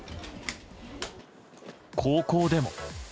高校でも。